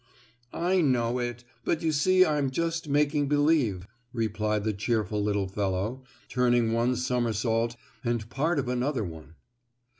"I know it, but you see I'm just making believe," replied the cheerful little fellow, turning one somersault and part of another one.